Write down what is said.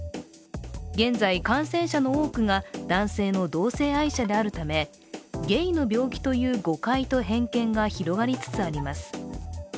現在、感染者の多くが男性の同性愛者であるためゲイの病気という誤解と偏見が広がりつつあります。